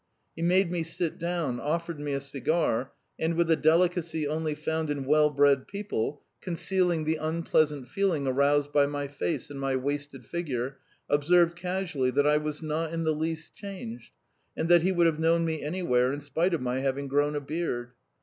He made me sit down, offered me a cigar, and with a delicacy only found in well bred people, concealing the unpleasant feeling aroused by my face and my wasted figure, observed casually that I was not in the least changed, and that he would have known me anywhere in spite of my having grown a beard.